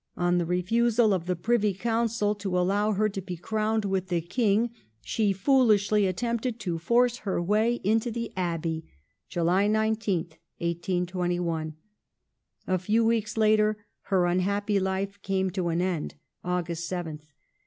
On the refusal of the Privy Council to allow her to be crowned with the King, she foolishly attempted to force her way into the Abbey (July 19th, 1821). A few weeks later her unhappy life came to an end (Aug. 7th).